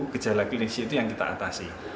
gejala filisi itu yang kita atasi